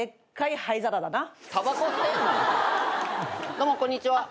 どうもこんにちは。